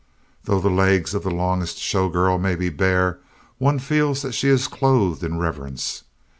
Though the legs of the longest showgirl may be bare, one feels that she is clothed in reverence.